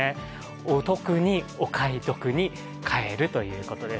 お得に、お買い得に買えるということです。